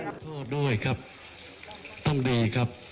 โทษด้วยครับต้องดีครับ